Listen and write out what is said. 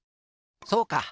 そうか！